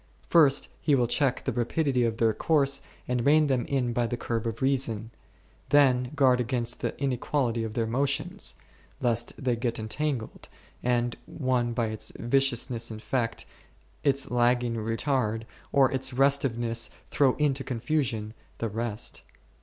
First he will check the rapidity of their course and rein them in by the curb of reason ; then guard against the in equality of their motions, lest they get entangled, and one by its viciousness infect, its lagging retard, or its restiveness throw into confusion, the rest.